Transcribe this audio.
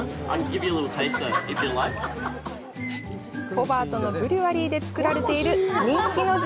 ホバートのブリュワリーで造られている人気の地